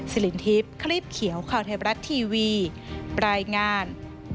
ลินทิพย์คลีบเขียวข่าวไทยรัฐทีวีรายงาน